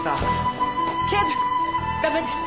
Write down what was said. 警部駄目でした。